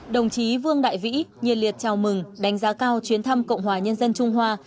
đồng chí vương đại vĩ liệt chào mừng đánh giá cao chuyến thăm cộng hòa nhân dân trung hoa